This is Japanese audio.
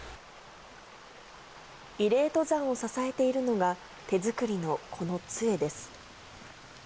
慰霊登山を支えているのが、手作りのこのつえです。